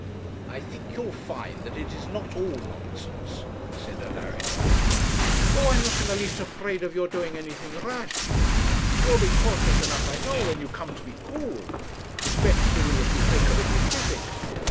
'I think you'll find that it is not all nonsense,' said Alaric. 'Oh, I am not in the least afraid of your doing anything rash. You'll be cautious enough I know when you come to be cool; especially if you take a little physic.